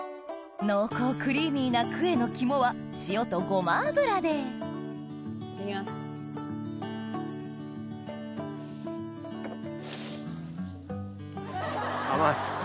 濃厚クリーミーなクエのキモは塩とごま油でいただきます。